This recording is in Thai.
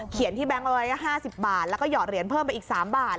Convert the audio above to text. ที่แบงค์เอาไว้๕๐บาทแล้วก็หอดเหรียญเพิ่มไปอีก๓บาท